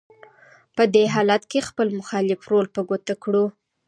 په دې حالت کې خپل مخالف رول په ګوته کړو: